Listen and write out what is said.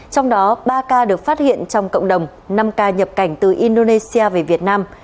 trong đó ba ca được phát hiện trong cộng đồng năm ca nhập cảnh từ indonesia về việt nam